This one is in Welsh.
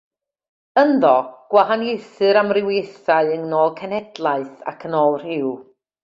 Ynddo, gwahaniaethir amrywiaethau yn ôl cenhedlaeth ac yn ôl rhyw.